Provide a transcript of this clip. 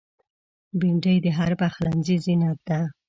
بېنډۍ د هر پخلنځي زینت ده